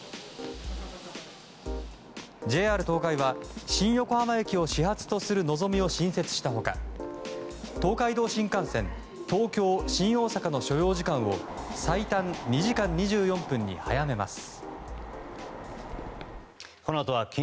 ＪＲ東海は新横浜駅を始発とする「のぞみ」を新設した他東海道新幹線、東京新大阪の所要時間を最短２時間２４分に早めます。